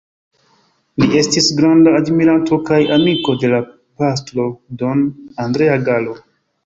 Li estis granda admiranto kaj amiko de la pastro Don Andrea Gallo.